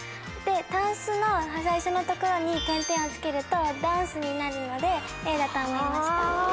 タンスの最初の所に点々をつけるとダンスになるのでＡだと思いました。